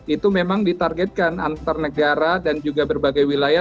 itu memang ditargetkan antar negara dan juga berbagai wilayah